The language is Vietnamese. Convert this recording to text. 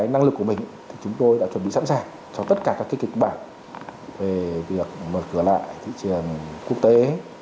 năng lực của mình chúng tôi đã chuẩn bị sẵn sàng cho tất cả các kịch bản về việc mở cửa lại thị trường quốc tế